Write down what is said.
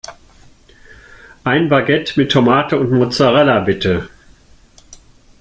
Ein Baguette mit Tomate und Mozzarella, bitte!